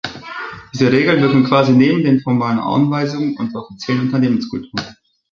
Diese Regeln wirken quasi neben den formalen Anweisungen und der offiziellen Unternehmenskultur.